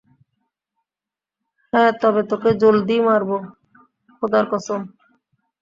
হ্যাঁ, তবে তোকে জলদিই মারবো, খোদার কসম।